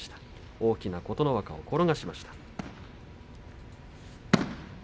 大きな琴ノ若を転がしました。